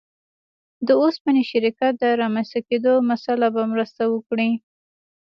د اوسپنې شرکت د رامنځته کېدو مسأله به مرسته وکړي.